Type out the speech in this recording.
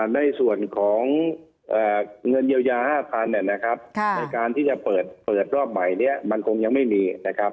ในส่วนของเงินเยียวยา๕๐๐๐นะครับในการที่จะเปิดรอบใหม่นี้มันคงยังไม่มีนะครับ